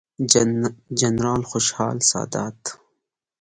جنرال خوشحال سادات،